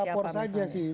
ya lapor saja sih